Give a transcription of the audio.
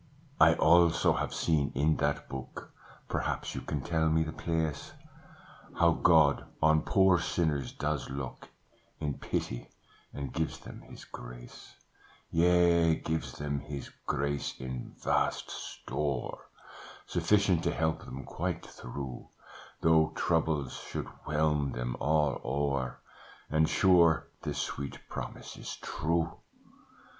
"I also have seen in that Book (Perhaps you can tell me the place?) How God on poor sinners does look In pity, and gives them His grace Yea, gives them His grace in vast store, Sufficient to help them quite through, Though troubles should whelm them all o'er; And sure this sweet promise is true!